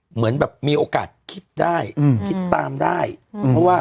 เหมือนแบบมีโอกาสคิดได้คิดตามได้เพราะว่า